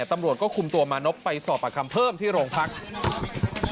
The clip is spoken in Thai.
ตำรวจก็คุมตัวมานพไปสอบประคำเพิ่มที่โรงพักษณ์